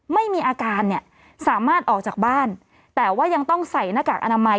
ไม่มีอาการเนี่ยสามารถออกจากบ้านแต่ว่ายังต้องใส่หน้ากากอนามัย